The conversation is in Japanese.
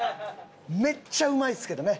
めっちゃうまいですけどね。